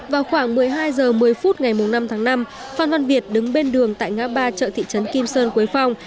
vào khoảng một mươi hai h một mươi phút ngày năm tháng năm phan văn việt đứng bên đường tại ngã ba chợ thị trấn kim sơn quế phong